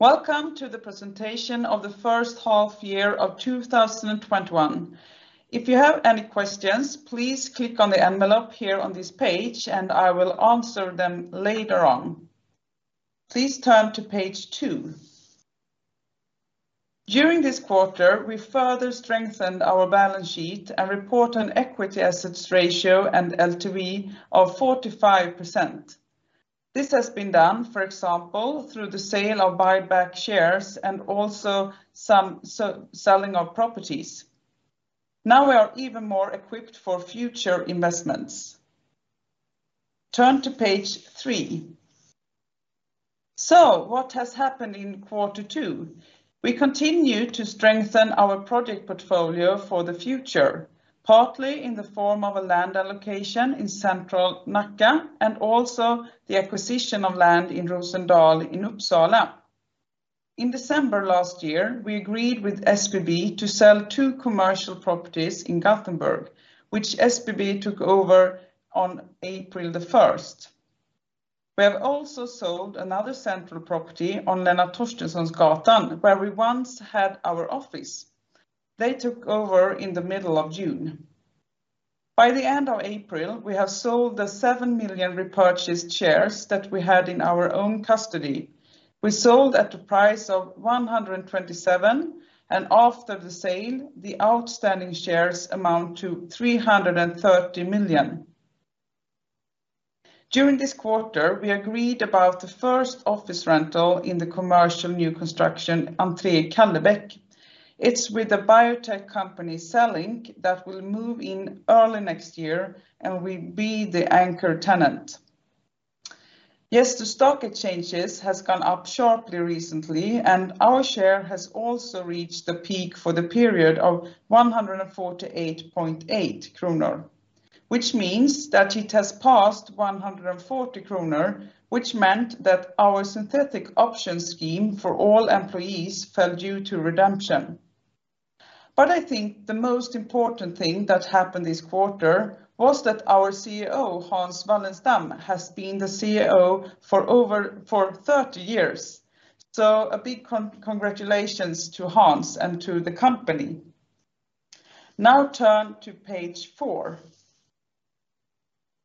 Welcome to the presentation of the first half year of 2021. If you have any questions, please click on the envelope here on this page and I will answer them later on. Please turn to page two. During this quarter, we further strengthened our balance sheet and report an equity/assets ratio and LTV of 45%. This has been done, for example, through the sale of buyback shares and also some selling of properties. Now we are even more equipped for future investments. Turn to page three. What has happened in quarter two? We continue to strengthen our project portfolio for the future, partly in the form of a land allocation in central Nacka and also the acquisition of land in Rosendal in Uppsala. In December last year, we agreed with SBB to sell two commercial properties in Gothenburg, which SBB took over on April the 1st. We have also sold another central property on Lennart Torstenssonsgatan where we once had our office. They took over in the middle of June. By the end of April, we have sold the 7 million repurchased shares that we had in our own custody. We sold at the price of 127, and after the sale, the outstanding shares amount to 330 million. During this quarter, we agreed about the first office rental in the commercial new construction Entré Kallebäck. It's with a biotech company, CELLINK, that will move in early next year and will be the anchor tenant. Yes, the stock exchanges has gone up sharply recently, and our share has also reached a peak for the period of 148.8 kronor, which means that it has passed 140 kronor, which meant that our synthetic option scheme for all employees fell due to redemption. I think the most important thing that happened this quarter was that our CEO, Hans Wallenstam, has been the CEO for 30 years. A big congratulations to Hans and to the company. Turn to page four.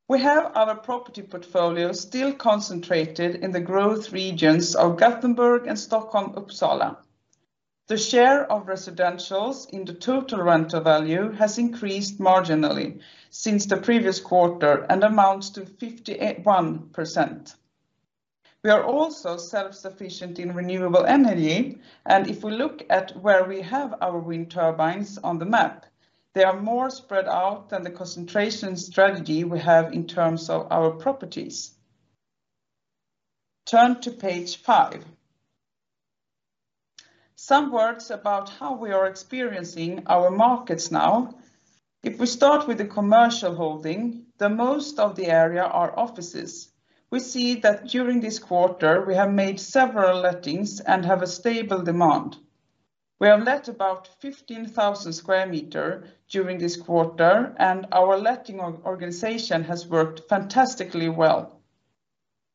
We have our property portfolio still concentrated in the growth regions of Gothenburg and Stockholm, Uppsala. The share of residentials in the total rental value has increased marginally since the previous quarter and amounts to 51%. If we look at where we have our wind turbines on the map, they are more spread out than the concentration strategy we have in terms of our properties. Turn to page five. Some words about how we are experiencing our markets now. We start with the commercial holding, the most of the area are offices. We see that during this quarter, we have made several lettings and have a stable demand. We have let about 15,000 sq m during this quarter, and our letting organization has worked fantastically well.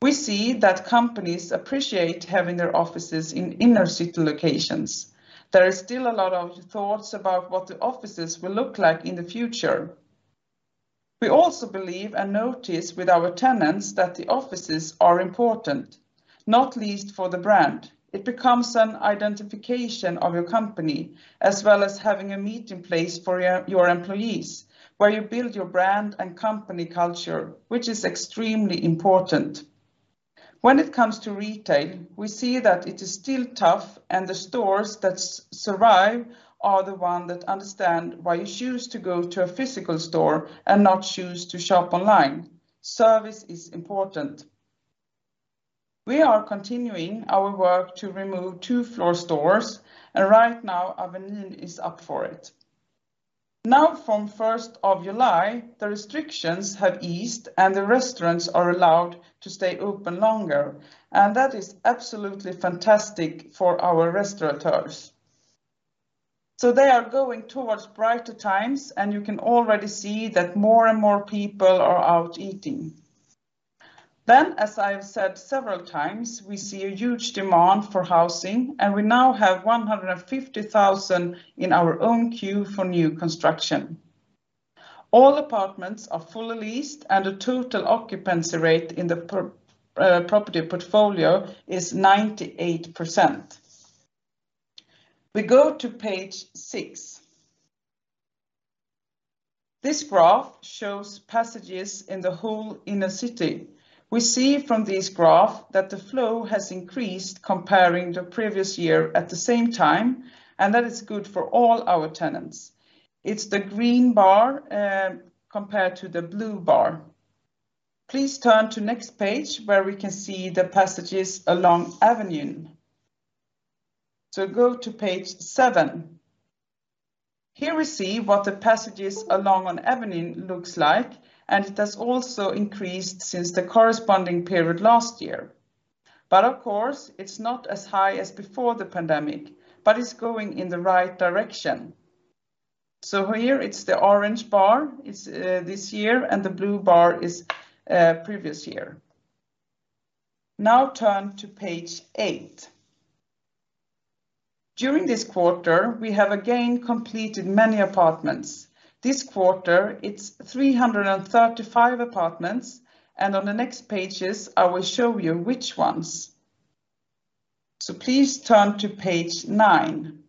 We see that companies appreciate having their offices in inner city locations. There is still a lot of thoughts about what the offices will look like in the future. We also believe and notice with our tenants that the offices are important, not least for the brand. It becomes an identification of your company, as well as having a meeting place for your employees, where you build your brand and company culture, which is extremely important. When it comes to retail, we see that it is still tough and the stores that survive are the ones that understand why you choose to go to a physical store and not choose to shop online. Service is important. We are continuing our work to remove two-floor stores, and right now Avenyn is up for it. Now from 1st of July, the restrictions have eased, and the restaurants are allowed to stay open longer, and that is absolutely fantastic for our restaurateurs. They are going towards brighter times, and you can already see that more and more people are out eating. As I've said several times, we see a huge demand for housing, and we now have 150,000 in our own queue for new construction. All apartments are fully leased, and the total occupancy rate in the property portfolio is 98%. We go to page six. This graph shows passages in the whole inner city. We see from this graph that the flow has increased comparing to previous year at the same time, and that is good for all our tenants. It's the green bar compared to the blue bar. Please turn to next page where we can see the passages along Avenyn. Go to page seven. Here we see what the passages along on Avenyn looks like, and it has also increased since the corresponding period last year. Of course, it's not as high as before the pandemic, but it's going in the right direction. Here it's the orange bar, it's this year, and the blue bar is previous year. Turn to page eight. During this quarter, we have again completed many apartments. This quarter, it's 335 apartments, and on the next pages, I will show you which ones. Please turn to page nine.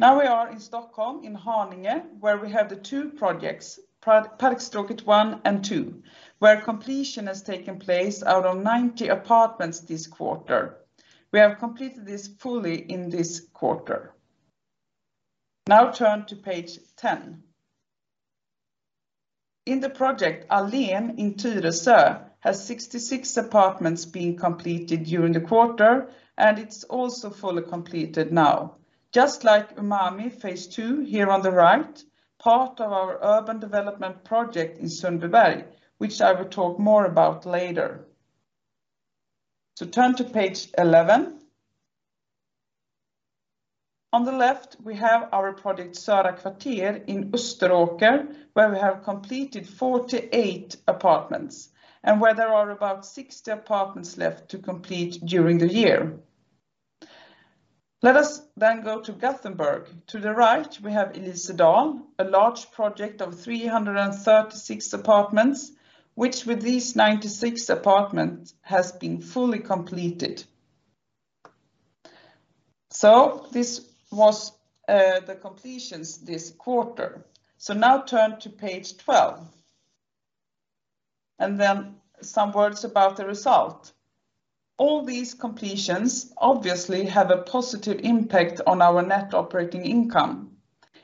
We are in Stockholm in Haninge, where we have the two projects, Parkstråket 1 and 2, where completion has taken place out of 90 apartments this quarter. We have completed this fully in this quarter. Turn to page 10. In the project Allén in Tyresö has 66 apartments been completed during the quarter, and it's also fully completed now, just like Umami phase 2 here on the right, part of our urban development project in Sundbyberg, which I will talk more about later. Turn to page 11. On the left, we have our project Söra Kvarter in Österåker, where we have completed 48 apartments, and where there are about 60 apartments left to complete during the year. Let us go to Gothenburg. To the right, we have Elisedalen, a large project of 336 apartments, which with these 96 apartments has been fully completed. This was the completions this quarter. Turn to page 12. Some words about the result. All these completions obviously have a positive impact on our net operating income.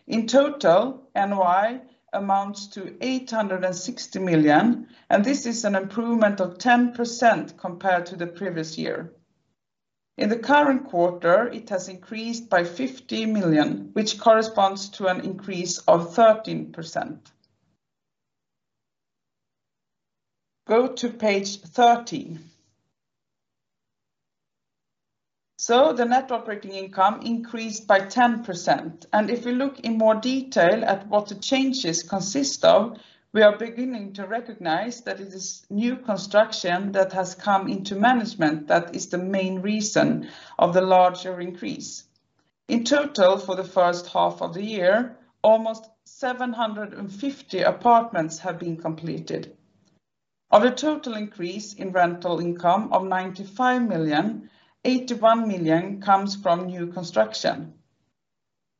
In total, NOI amounts to 860 million, This is an improvement of 10% compared to the previous year. In the current quarter, it has increased by 50 million, which corresponds to an increase of 13%. Go to page 13. The net operating income increased by 10%, If we look in more detail at what the changes consist of, we are beginning to recognize that it is new construction that has come into management that is the main reason of the larger increase. In total, for the first half of the year, almost 750 apartments have been completed. Of the total increase in rental income of 95 million, 81 million comes from new construction.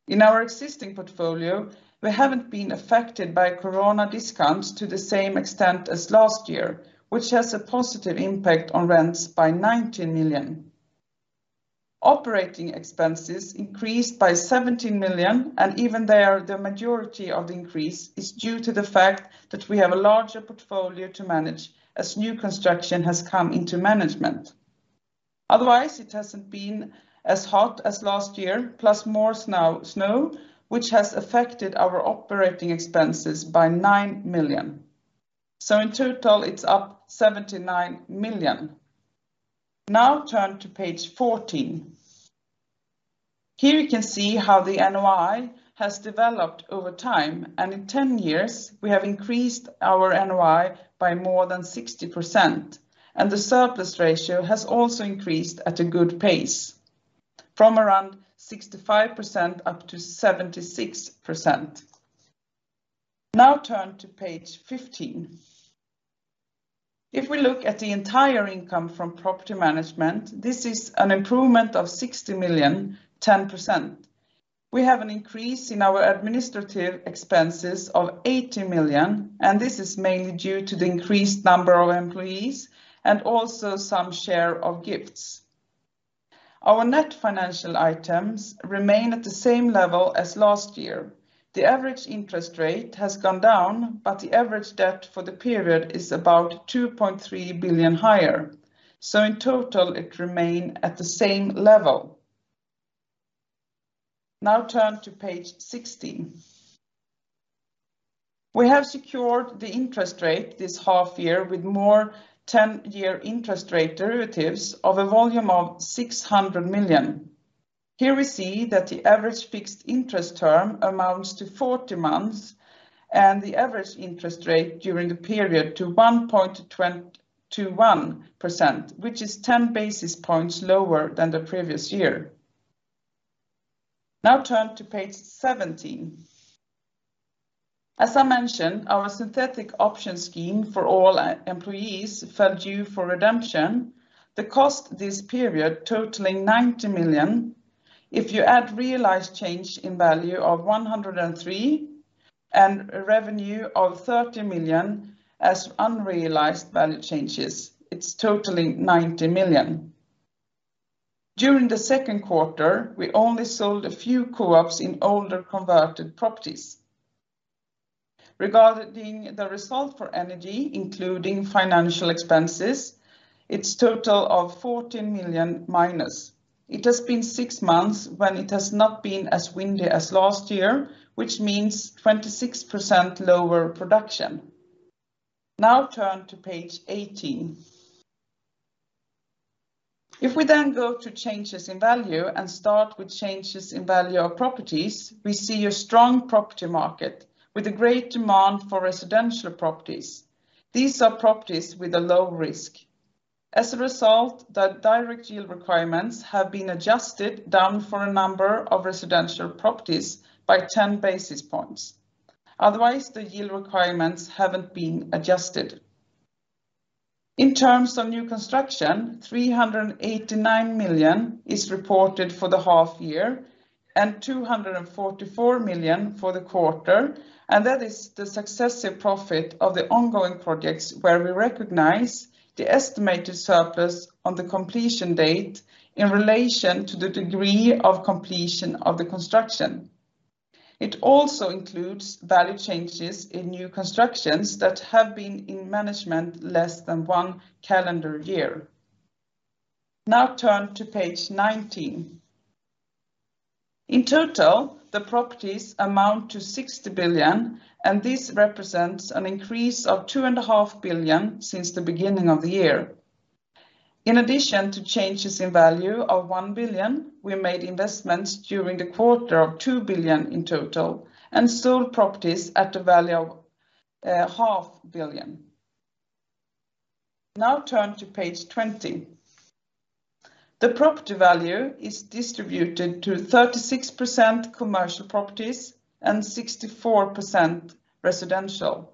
In our existing portfolio, we haven't been affected by corona discounts to the same extent as last year, which has a positive impact on rents by 19 million. Operating expenses increased by 17 million, even there the majority of the increase is due to the fact that we have a larger portfolio to manage as new construction has come into management. Otherwise, it hasn't been as hot as last year, plus more snow, which has affected our operating expenses by 9 million. In total, it's up 79 million. Now turn to page 14. Here we can see how the NOI has developed over time, in 10 years, we have increased our NOI by more than 60%, the surplus ratio has also increased at a good pace, from around 65% up to 76%. Now turn to page 15. If we look at the entire income from property management, this is an improvement of 60 million, 10%. We have an increase in our administrative expenses of 80 million, and this is mainly due to the increased number of employees and also some share of gifts. Our net financial items remain at the same level as last year. The average interest rate has gone down, the average debt for the period is about 2.3 billion higher. In total, it remain at the same level. Now turn to page 16. We have secured the interest rate this half year with more 10-year interest rate derivatives of a volume of 600 million. Here we see that the average fixed interest term amounts to 40 months, the average interest rate during the period to 1.21%, which is 10 basis points lower than the previous year. Now turn to page 17. As I mentioned, our synthetic option scheme for all employees fell due for redemption. The cost this period totaling 90 million. If you add realized change in value of 103 and revenue of 30 million as unrealized value changes, it's totaling 90 million. During the second quarter, we only sold a few co-ops in older converted properties. Regarding the result for energy, including financial expenses, it's total of 40 million minus. It has been six months when it has not been as windy as last year, which means 26% lower production. Now turn to page 18. If we go to changes in value and start with changes in value of properties, we see a strong property market with a great demand for residential properties. These are properties with a low risk. As a result, the direct yield requirements have been adjusted down for a number of residential properties by 10 basis points. Otherwise, the yield requirements haven't been adjusted. In terms of new construction, 389 million is reported for the half year and 244 million for the quarter. That is the successive profit of the ongoing projects where we recognize the estimated surplus on the completion date in relation to the degree of completion of the construction. It also includes value changes in new constructions that have been in management less than one calendar year. Now turn to page 19. In total, the properties amount to 60 billion. This represents an increase of 2.5 billion since the beginning of the year. In addition to changes in value of 1 billion, we made investments during the quarter of 2 billion in total and sold properties at a value of a half billion. Turn to page 20. The property value is distributed to 36% commercial properties and 64% residential.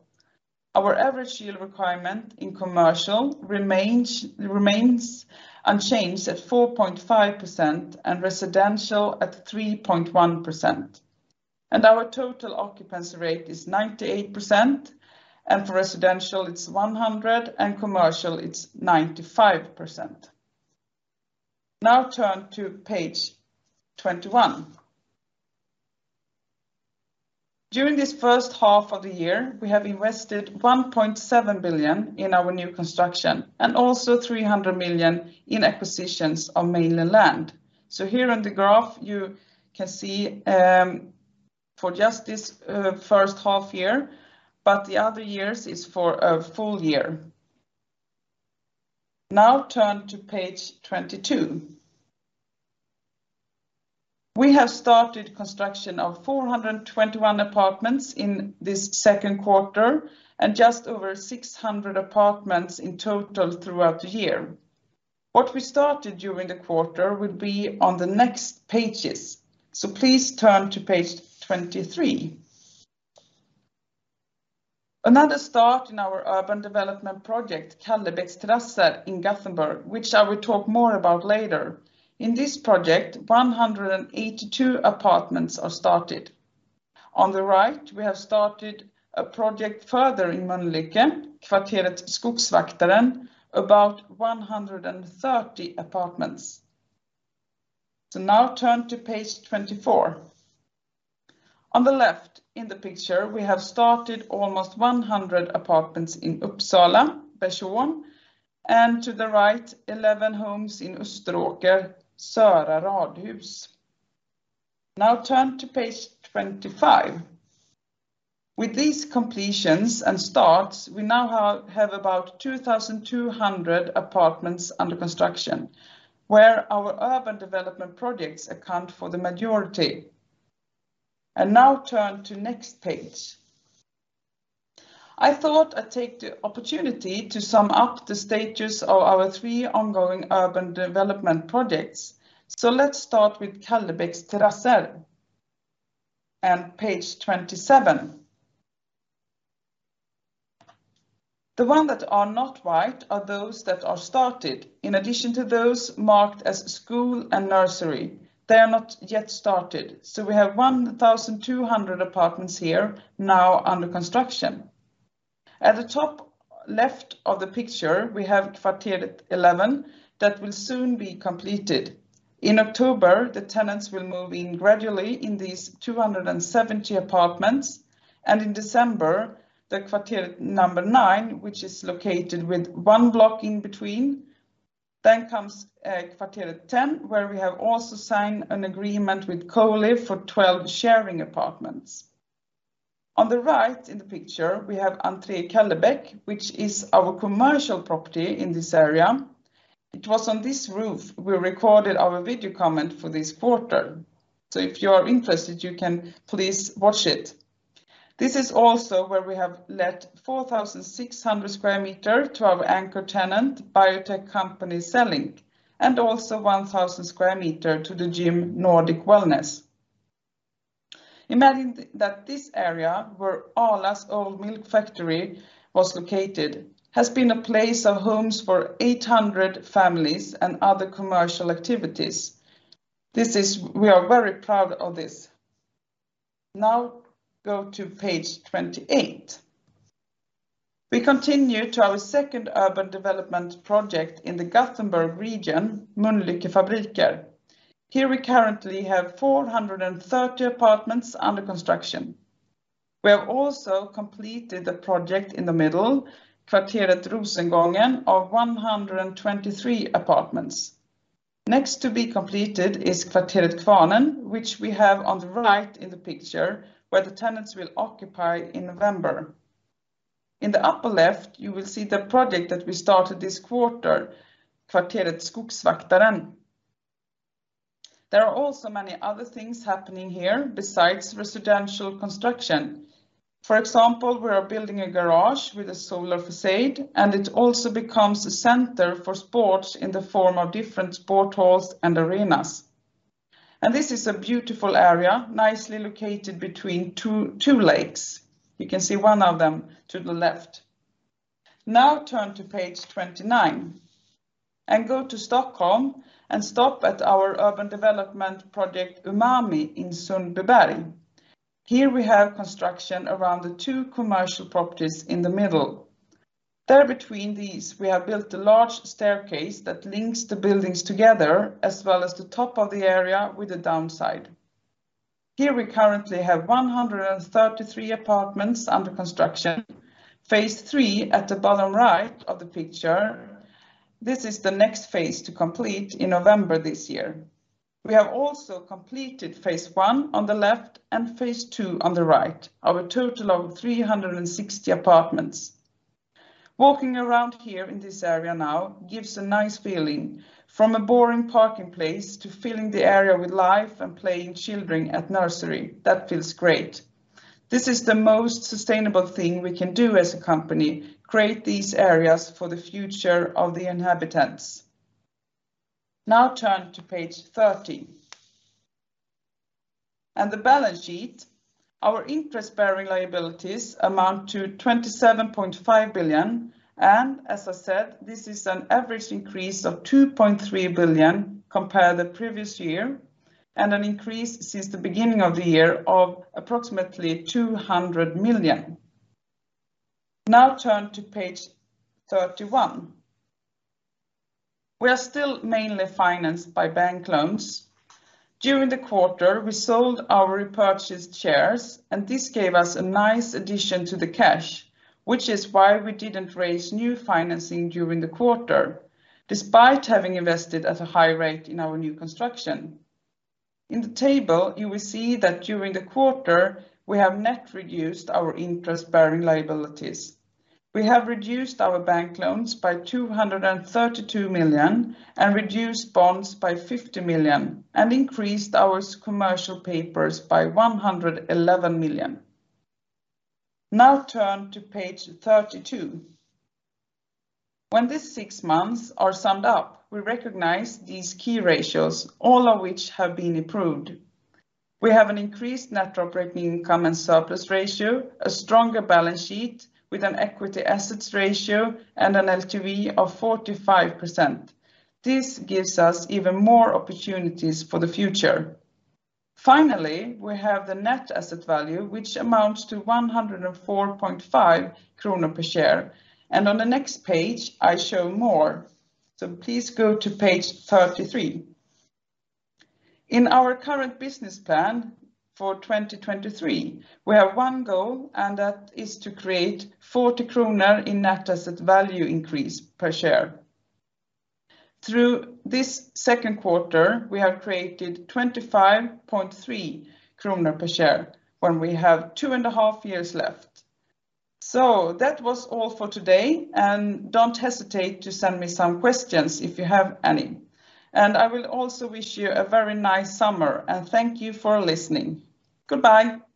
Our average yield requirement in commercial remains unchanged at 4.5% and residential at 3.1%. Our total occupancy rate is 98%, and for residential it's 100%, and commercial it's 95%. Turn to page 21. During this first half of the year, we have invested 1.7 billion in our new construction and also 300 million in acquisitions of building land. Here on the graph you can see for just this first half year, but the other years is for a full year. Turn to page 22. We have started construction of 421 apartments in this second quarter and just over 600 apartments in total throughout the year. What we started during the quarter will be on the next pages. Please turn to page 23. Another start in our urban development project, Kallebäcks Terrasser in Gothenburg, which I will talk more about later. In this project, 182 apartments are started. On the right, we have started a project further in Mölnlycke, Kvarteret Skogsvaktaren, about 130 apartments. Now turn to page 24. On the left in the picture, we have started almost 100 apartments in Uppsala, Bersån, and to the right, 11 homes in Österåker, Söra Radhus. Now turn to page 25. With these completions and starts, we now have about 2,200 apartments under construction, where our urban development projects account for the majority. Now turn to next page. I thought I'd take the opportunity to sum up the stages of our three ongoing urban development projects. Let's start with Kallebäcks Terrasser. Page 27. The one that are not white are those that are started. In addition to those marked as school and nursery, they are not yet started. We have 1,200 apartments here now under construction. At the top left of the picture, we have Kvarteret 11 that will soon be completed. In October, the tenants will move in gradually in these 270 apartments, and in December, the Kvarteret number nine, which is located with one block in between. Comes Kvarteret 10, where we have also signed an agreement with COLIVE for 12 sharing apartments. On the right in the picture, we have Entré Kallebäck, which is our commercial property in this area. It was on this roof we recorded our video comment for this quarter. If you are interested, you can please watch it. This is also where we have let 4,600 sq m to our anchor tenant, biotech company, CELLINK, and also 1,000 sq m to the gym, Nordic Wellness. Imagine that this area, where Arla's old milk factory was located, has been a place of homes for 800 families and other commercial activities. We are very proud of this. Now go to page 28. We continue to our second urban development project in the Gothenburg region, Mölnlycke Fabriker. Here we currently have 430 apartments under construction. We have also completed a project in the middle, Kvarteret Rosengången, of 123 apartments. Next to be completed is Kvarteret Kvarnen, which we have on the right in the picture, where the tenants will occupy in November. In the upper left, you will see the project that we started this quarter, Kvarteret Skogsvaktaren. There are also many other things happening here besides residential construction. For example, we are building a garage with a solar façade, and it also becomes a center for sports in the form of different sports halls and arenas. This is a beautiful area, nicely located between two lakes. You can see one of them to the left. Now turn to page 29, and go to Stockholm and stop at our urban development project Umami in Sundbyberg. Here we have construction around the two commercial properties in the middle. There between these, we have built a large staircase that links the buildings together, as well as the top of the area with the downside. Here we currently have 133 apartments under construction. Phase 3 at the bottom right of the picture. This is the next phase to complete in November this year. We have also completed phase 1 on the left and phase 2 on the right, our total of 360 apartments. Walking around here in this area now gives a nice feeling. From a boring parking place to filling the area with life and playing children at nursery, that feels great. This is the most sustainable thing we can do as a company, create these areas for the future of the inhabitants. Now turn to page 30, the balance sheet. Our interest-bearing liabilities amount to 27.5 billion, and as I said, this is an average increase of 2.3 billion compared to previous year, and an increase since the beginning of the year of approximately 200 million. Now turn to page 31. We are still mainly financed by bank loans. During the quarter, we sold our repurchased shares, and this gave us a nice addition to the cash, which is why we didn't raise new financing during the quarter, despite having invested at a high rate in our new construction. In the table, you will see that during the quarter, we have net reduced our interest-bearing liabilities. We have reduced our bank loans by 232 million and reduced bonds by 50 million and increased our commercial papers by 111 million. Now turn to page 32. When these six months are summed up, we recognize these key ratios, all of which have been improved. We have an increased net operating income and surplus ratio, a stronger balance sheet with an equity/assets ratio, and an LTV of 45%. This gives us even more opportunities for the future. Finally, we have the net asset value, which amounts to 104.5 kronor per share. On the next page, I show more. Please go to page 33. In our current business plan for 2023, we have one goal, and that is to create 40 kronor in net asset value increase per share. Through this second quarter, we have created 25.3 kronor per share when we have two and a half years left. That was all for today, and don't hesitate to send me some questions if you have any. I will also wish you a very nice summer, and thank you for listening. Goodbye.